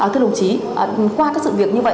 thưa đồng chí qua các sự việc như vậy